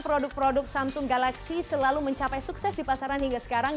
produk produk samsung galaxy selalu mencapai sukses di pasaran hingga sekarang